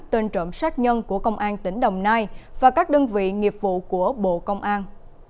tên trộm sát nhân của công an tỉnh đồng nai và các đơn vị nghiệp vụ của bộ công an